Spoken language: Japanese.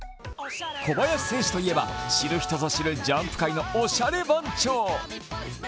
小林選手といえば、知る人ぞ知るジャンプ界のおしゃれ番長。